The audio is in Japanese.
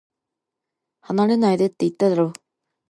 離れないでって、言っただろ